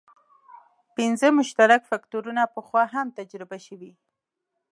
پنځه مشترک فکټورونه پخوا هم تجربه شوي.